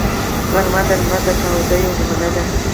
غرمه د لمر د تاو یوه نمونه ده